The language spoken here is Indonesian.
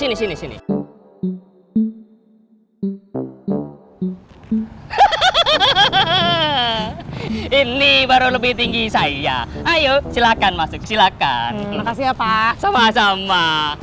ini baru lebih tinggi saya ayo silakan masuk silakan makasih ya pak sama sama